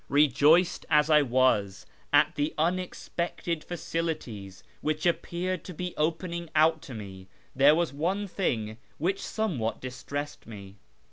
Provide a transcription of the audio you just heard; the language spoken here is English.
Eejoiced as I was at the unexpected facilities which ap peared to be opening out to me, there was one thing which somewhat distressed me.